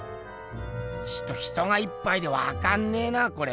ちと人がいっぱいでわかんねえなこれ。